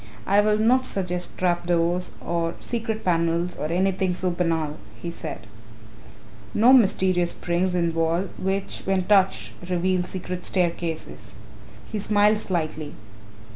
"I will not suggest trap doors, or secret panels or anything so banal," he said, "nor mysterious springs in the wall which, when touched, reveal secret staircases." He smiled slightly.